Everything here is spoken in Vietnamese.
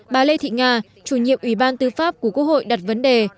bà lê thị nga chủ nhiệm ủy ban tư pháp của quốc hội đặt vấn đề